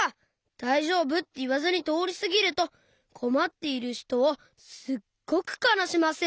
「だいじょうぶ？」っていわずにとおりすぎるとこまっているひとをすっごくかなしませる。